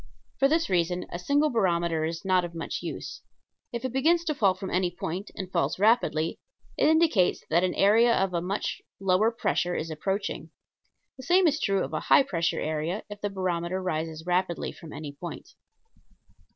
For this reason a single barometer is not of much use. If it begins to fall from any point, and falls rapidly, it indicates that an area of a much lower pressure is approaching. The same is true of a high pressure area, if the barometer rises rapidly from any point.